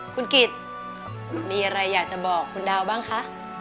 คุณกิจมีอะไรอยากจะบอกคุณดาวบ้างคะ